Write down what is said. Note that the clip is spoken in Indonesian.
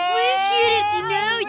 aku suka tau